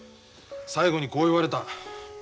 最後にこう言われた。